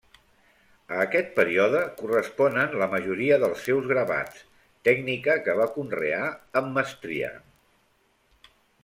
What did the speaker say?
A aquest període corresponen la majoria dels seus gravats, tècnica que va conrear amb mestria.